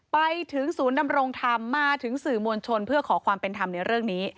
ไปถึงศูนย์ดำรงธรรมมาถึงสื่อมวลชนเพื่อขอความเป็นธรรมในเรื่องนี้